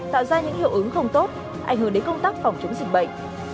tạo ra những hiệu ứng không tốt ảnh hưởng đến công tác phòng chống dịch bệnh